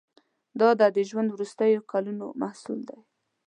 دا د ده ژوند وروستیو کلونو محصول دی.